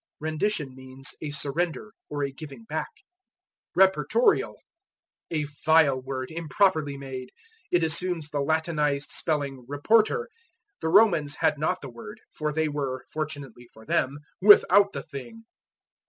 Rendition means a surrender, or a giving back. Reportorial. A vile word, improperly made. It assumes the Latinized spelling, "reporter." The Romans had not the word, for they were, fortunately for them, without the thing.